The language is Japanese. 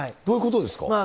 どういうことですか？